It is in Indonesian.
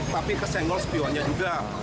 tapi kesenggol spionnya juga